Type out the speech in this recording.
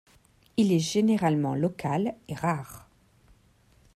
Il est généralement local et rare.